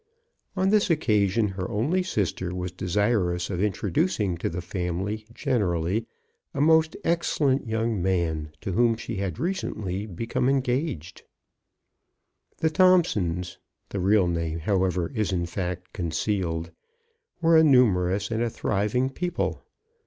On this occasion her only sister was desirous of introducing to the family gen erally a most excellent young man to whom she had recently become engaged. The Thomp sons — the real name, however, is in fact con cealed — were a numerous and a thriving people.